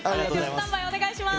スタンバイお願いします。